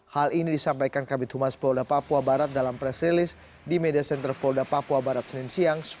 hal ini disampaikan kabupaten polda papua barat dalam presilis di media center polda papua barat senin siang